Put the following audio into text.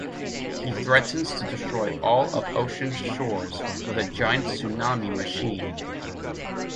He threatens to destroy all of Ocean Shores with a giant tsunami machine.